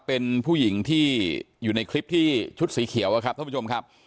เป็นผู้หญิงที่อยู่ในคลิปที่ชุดสีเขียวอะครับท่านผู้ชมครับ